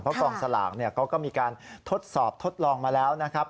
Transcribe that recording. เพราะกองสลากเขาก็มีการทดสอบทดลองมาแล้วนะครับ